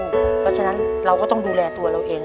เพราะฉะนั้นเราก็ต้องดูแลตัวเราเอง